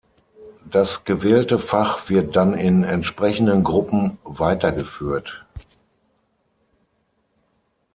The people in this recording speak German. Das gewählte Fach wird dann in entsprechenden Gruppen weitergeführt.